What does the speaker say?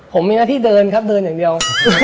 ผมมีหน้าที่เดินครับเดินอย่างเดียว